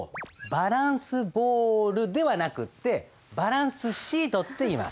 バランスボールではなくてバランスシートっていいます。